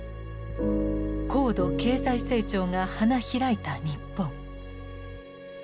高度経済成長が花開いた日本。